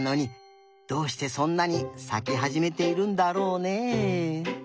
どうしてそんなにさきはじめているんだろうね。